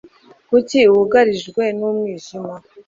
Kuki wugarijwe numwijima